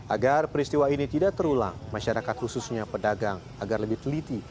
agar peristiwa ini tidak terulang masyarakat khususnya pedagang agar lebih teliti